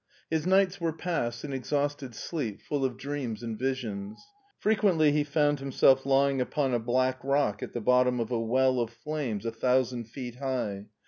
His nights were passed in exhausted sleep full of dreams and visions. Frequently he found himself lying upon a black rock at the bottom of a well of flames a thousand feet high.